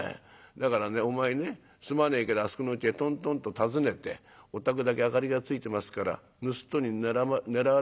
だからねお前ねすまねえけどあそこのうちへトントンと訪ねて『お宅だけ明かりがついてますからぬすっとに狙われますよ。